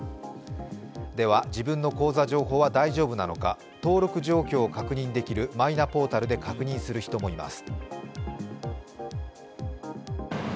では自分の口座情報は大丈夫なのでしょうか、登録状況を確認できるマイナポータルで確認する人もいます。